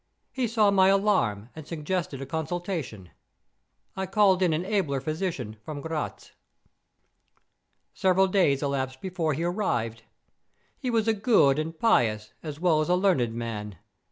He saw my alarm, and suggested a consultation. I called in an abler physician, from Gratz. Several days elapsed before he arrived. He was a good and pious, as well as a learned man.